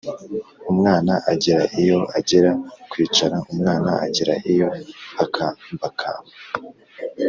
umwana agera iyo agera kwicara, umwana agera iyo akambakamba